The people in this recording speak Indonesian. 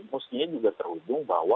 mestinya juga terhubung bahwa